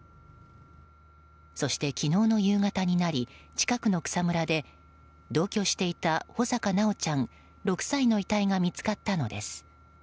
そして昨日の夕方になり近くの草むらで同居していた穂坂修ちゃん、６歳の遺体が見つかったのです。